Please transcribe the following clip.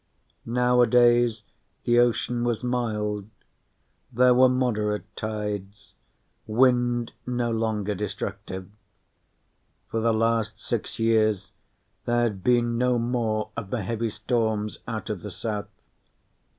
Nowadays the ocean was mild. There were moderate tides, winds no longer destructive. For the last six years, there had been no more of the heavy storms out of the south.